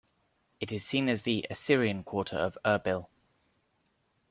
It is seen as the "Assyrian Quarter" of Erbil.